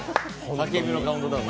叫びのカウントダウン。